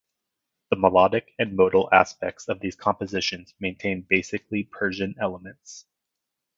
The melodic and modal aspects of these compositions maintain basically Persian elements.